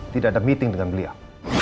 tidak ada meeting dengan beliau